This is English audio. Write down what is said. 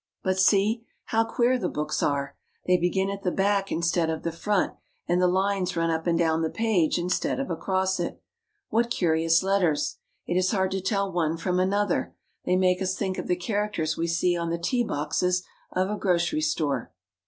But see ! How queer the books are ! They begin at the back instead of the front, and the lines run up and down the page instead of across it. What curious letters ! It is hard to tell one from another ; they make us think of the characters we see on the tea boxes of a grocery store.